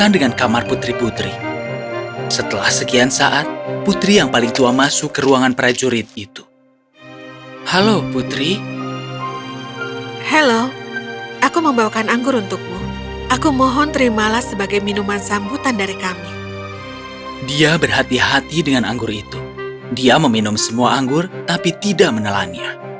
dia berhati hati dengan anggur itu dia meminum semua anggur tapi tidak menelannya